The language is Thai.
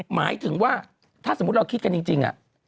หมายถึงว่าถ้าสมมุติเราคิดกันจริง